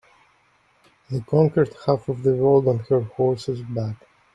The conquered half of the world on her horse's back.